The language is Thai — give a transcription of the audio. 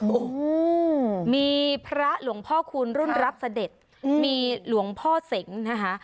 โอ้โหมีพระหลวงพ่อคูณรุ่นรับเสด็จมีหลวงพ่อเสงนะคะ